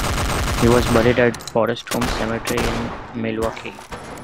He was buried at Forest Home Cemetery in Milwaukee.